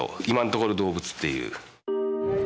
今のところ動物っていう。